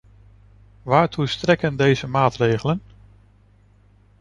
Waartoe strekken deze maatregelen?